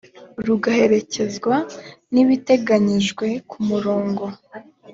rugaherekezwa n ibiteganijwe ku murongo